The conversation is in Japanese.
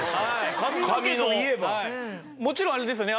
もちろんあれですよね。